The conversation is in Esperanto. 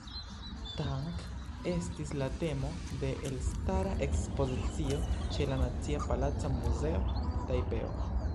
Tang estis la temo de elstara ekspozicio ĉe la Nacia Palaca Muzeo, Tajpeo.